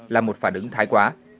là một phả đứng thái quá